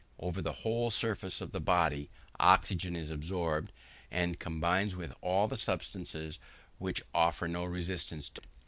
Over the whole surface of the body oxygen is absorbed, and combines with all the substances which offer no resistance to it.